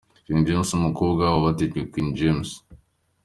King James n’umukobwa wabatijwe Queen James.